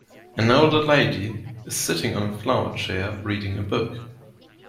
An older lady is sitting on a flower chair reading a book